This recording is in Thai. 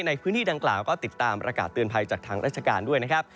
ในพื้นที่ดังกล่าวก็ติดตามประกาศเตือนภัยจากทางราชการด้วยนะครับ